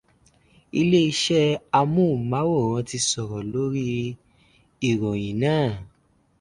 Ilé iṣẹ́ amóhùnmáwòrán ti sọ̀rọ̀ lórí ìròyìn náà.